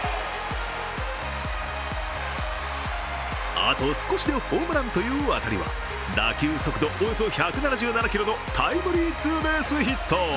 あと少しでホームランという当たりは、打球速度およそ１７７キロのタイムリーツーベースヒット。